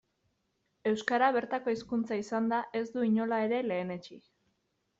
Euskara, bertako hizkuntza izanda, ez du inola ere lehenetsi.